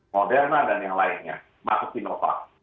moderna dan yang lainnya masuk sinovac